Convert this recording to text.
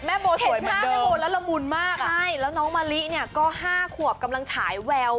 แม่โบสวยเหมือนเดิมใช่แล้วน้องมะลิเนี่ย๕ขวบกำลังฉายแวว